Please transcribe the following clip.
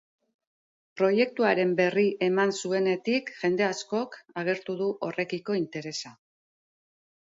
Proiektuaren berri eman zuenetik jende askok agertu du horrekiko interesa.